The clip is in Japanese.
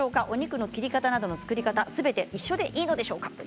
お肉の切り方なども作り方すべて一緒でしょうか？